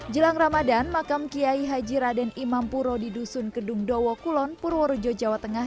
jelang ramadan makam kiai haji raden imam puro di dusun kedung dowo kulon purworejo jawa tengah